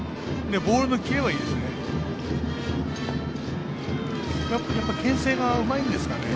ボールのキレはいいですね。